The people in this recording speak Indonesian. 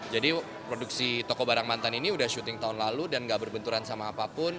jadi produksi toko barang mantan ini udah syuting tahun lalu dan gak berbenturan sama apapun